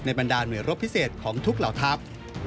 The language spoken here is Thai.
บรรดาหน่วยรบพิเศษของทุกเหล่าทัพ